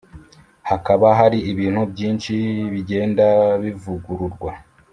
hakaba hari ibintu byinshi bigenda bivugururwa